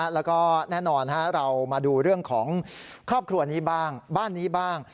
แล้วก็แน่นอนเรามาดูเรื่องของครอบครัวนี้บ้างบ้านนี้บ้าง